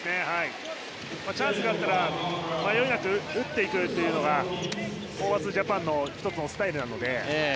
チャンスがあれば迷いなく打つのがホーバスジャパンの１つのスタイルなので。